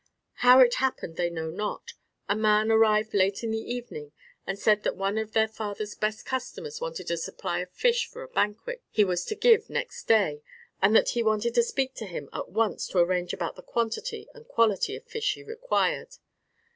"How it happened they know not. A man arrived late in the evening and said that one of their father's best customers wanted a supply of fish for a banquet he was to give next day, and that he wanted to speak to him at once to arrange about the quantity and quality of fish he required.